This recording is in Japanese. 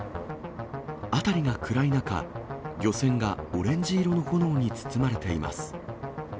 辺りが暗い中、漁船がオレンジ色の炎に包まれています。